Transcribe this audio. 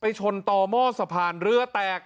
ไปชนตอหม้อสะพานเงินแรงเป็นเรือแตก